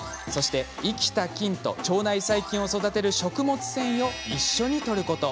生きた菌と、腸内細菌を育てる食物繊維を一緒にとること。